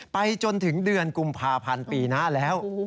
ไปจนถึงเดือนกุมภาพันธ์ปีหน้าแล้ว